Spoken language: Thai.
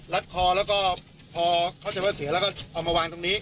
ลัดคอแล้วก็พอเขาจะเฮียเราก็เอามาวางตรงนี้